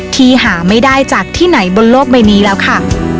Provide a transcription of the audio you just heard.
ที่หาไม่ได้จากที่ไหนบนโลกใบนี้แล้วค่ะ